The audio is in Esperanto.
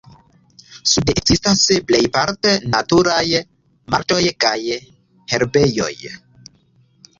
Sude ekzistas plejparte naturaj marĉoj kaj herbejoj.